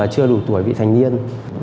chưa đủ tuổi bị thành nhiên